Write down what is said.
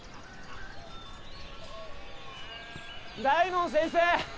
大門先生！